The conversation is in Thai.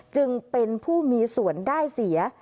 จึงเป็นผู้มีส่วนได้เสีย